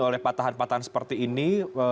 oleh patahan patahan seperti ini